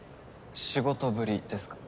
仕事ぶりですか？